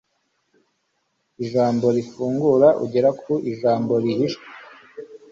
ijambo rifungura ugera ku ijambo rihishwe